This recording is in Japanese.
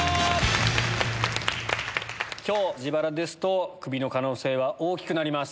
きょう、自腹ですと、クビの可能性は大きくなります。